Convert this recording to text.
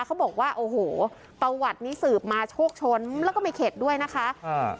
เขาบอกว่าโอ้โหประวัตินี้สืบมาโชคชนแล้วก็ไม่เข็ดด้วยนะคะอ่า